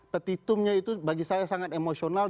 petitumnya itu bagi saya sangat emosional